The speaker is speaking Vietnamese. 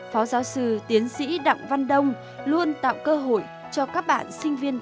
phó giáo sư tiến sĩ đặng văn đông luôn tạo cơ hội cho các bạn sinh viên